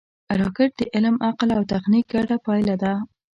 راکټ د علم، عقل او تخنیک ګډه پایله ده